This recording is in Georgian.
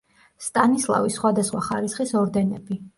სტანისლავის სხვადასხვა ხარისხის ორდენები.